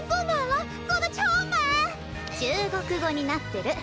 中国語になってる。